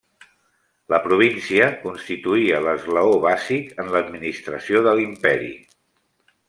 La província constituïa l'esglaó bàsic en l'administració de l'Imperi.